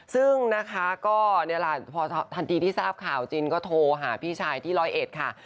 ซึ่งก็พอทันทีที่ทราบข่าวจินก็โทรหาพี่ชายที่รวยเอ็ดค่ะ